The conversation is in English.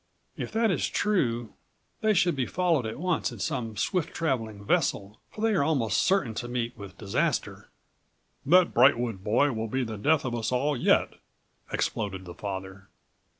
If that is true they should be followed at once in some swift traveling vessel, for they are almost certain to meet with disaster." "That Brightwood boy will be the death of us all yet," exploded the father.